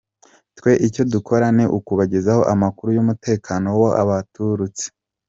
Twe icyo dukora ni ukubagezaho amakuru y’umutekano w’aho baturutse.